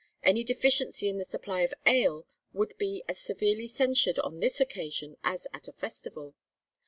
Any deficiency in the supply of ale would be as severely censured on this occasion, as at a festival.'